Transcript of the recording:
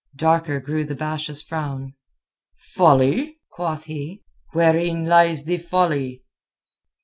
Darker grew the Basha's frown. "Folly?" quoth he. "Wherein lies the folly?"